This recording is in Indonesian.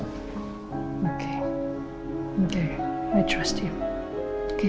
oke oke saya percaya padamu